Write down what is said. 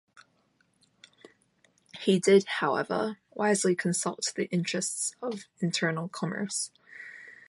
He did, however, wisely consult the interests of internal commerce.